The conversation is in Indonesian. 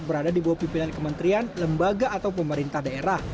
berada di bawah pimpinan kementerian lembaga atau pemerintah daerah